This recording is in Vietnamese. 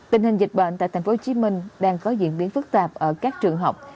tình hình dịch bệnh tại tp hcm đang có diễn biến phức tạp ở các trường học